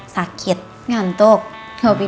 being dem intengan pak